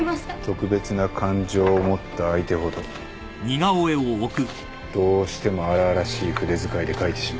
特別な感情を持った相手ほどどうしても荒々しい筆遣いで描いてしまう。